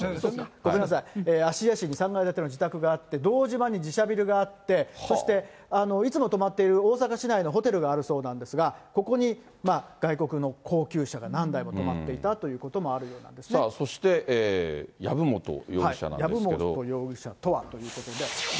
ごめんなさい、芦屋市に３階建ての自宅があって、堂島に自社ビルがあって、そしていつも泊まっている大阪市内のホテルがあるそうなんですが、ここに外国の高級車が何台も止まっていたということもあるようなそして籔本容疑者なんですけ籔本